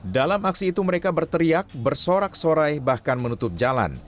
dalam aksi itu mereka berteriak bersorak sorai bahkan menutup jalan